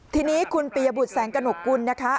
ทีนี้คุณปียบุตรแสงกระหนกกุลนะคะ